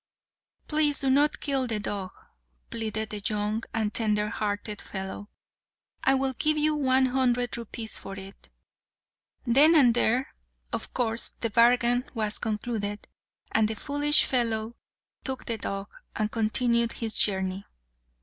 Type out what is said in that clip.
"Please do not kill the dog," pleaded the young and tender hearted fellow; "I will give you one hundred rupees for it." Then and there, of course, the bargain was concluded, and the foolish fellow took the dog, and continued his journey.